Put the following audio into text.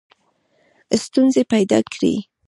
ستونزي پیدا کړې.